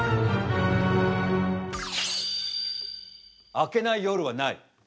明けない夜はない。